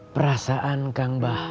perasaan kang bahar